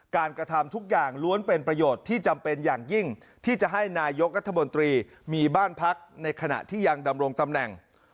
กระทำทุกอย่างล้วนเป็นประโยชน์ที่จำเป็นอย่างยิ่งที่จะให้นายกรัฐมนตรีมีบ้านพักในขณะที่ยังดำรงตำแหน่ง